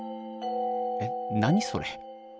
えっ何それ。